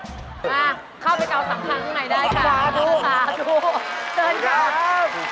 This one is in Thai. มาเข้าไปเกาสังฆาณใหม่ได้ค่ะ